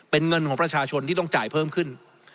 เป็นเงินของประชาชนที่ต้องจ่ายเพิ่มขึ้น